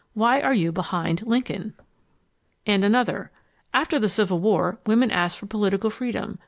WHY ARE YOU BEHIND LINCOLN? and another: AFTER THE CIVIL WAR, WOMEN ASKED FOR POLITICAL FREEDOM.